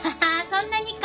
そんなにか。